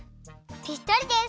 ぴったりです！